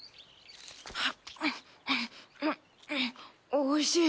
おいしい。